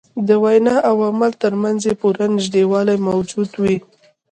د وینا او عمل تر منځ یې پوره نژدېوالی موجود وي.